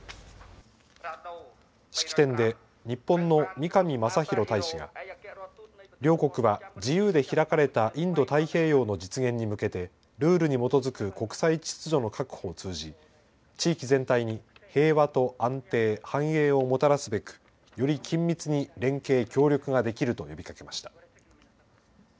式典で、日本の三上正裕大使が、両国は自由で開かれたインド太平洋の実現に向けて、ルールに基づく国際秩序の確保を通じ、地域全体に平和と安定、繁栄をもたらすべく、より緊密に連携、協力ができると呼びかけました。